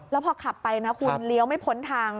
แล้วพอขับไปนะคุณเลี้ยวไม่พ้นทาง